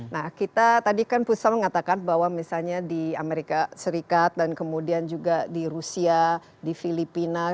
nah kita tadi kan pusat mengatakan bahwa misalnya di amerika serikat dan kemudian juga di rusia di filipina